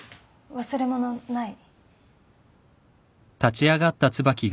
忘れ物ない。